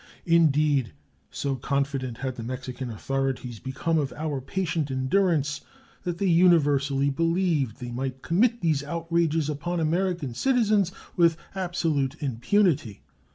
Indeed, so confident had the Mexican authorities become of our patient endurance that they universally believed they might commit these outrages upon American citizens with absolute impunity.